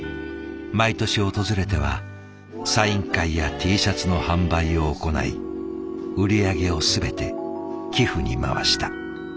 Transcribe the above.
毎年訪れてはサイン会やＴシャツの販売を行い売り上げを全て寄付に回した。